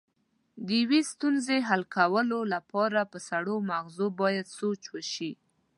د یوې ستونزې حل کولو لپاره په سړو مغزو باید سوچ وشي.